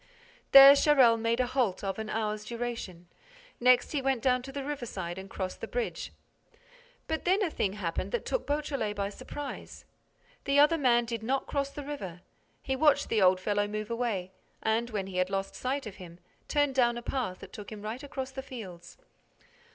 There Charel made a halt of an hour's duration. Next he went down to the riverside and crossed the bridge. But then a thing happened that took Beautrelet by surprise. The other man did not cross the river. He watched the old fellow move away and, when he had lost sight of him, turned down a path that took him right across the fields.